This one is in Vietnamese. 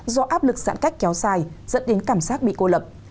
do áp lực giãn cách kéo dài dẫn đến cảm giác bị cô lập